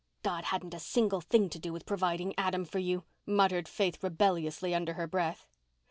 "God hadn't a single thing to do with providing Adam for you," muttered Faith rebelliously under her breath.